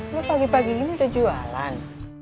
ini pagi pagi gini udah jualan